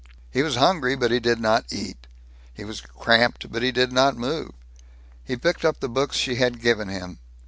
He was hungry, but he did not eat. He was cramped, but he did not move. He picked up the books she had given him.